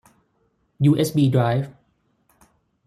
ยูเอสบีไดรฟ์